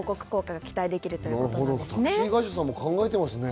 タクシー会社さんも考えていますね。